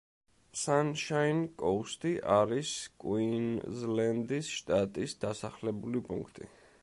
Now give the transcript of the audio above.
სანშაინ-კოუსტი არის კუინზლენდის შტატის დასახლებული პუნქტი.